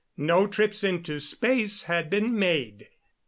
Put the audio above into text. No trips into space had been made.